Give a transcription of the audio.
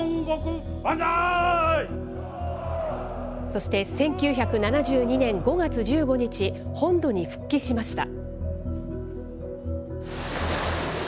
そして、１９７２年５月１５日、本土に復帰しました。